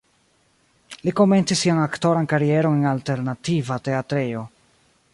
Li komencis sian aktoran karieron en alternativa teatrejo.